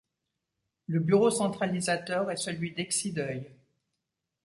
Le bureau centralisateur est celui d'Excideuil.